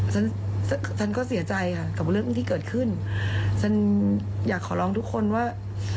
ฉันฉันก็เสียใจค่ะกับเรื่องที่เกิดขึ้นฉันอยากขอร้องทุกคนว่า